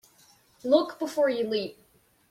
Look before you leap.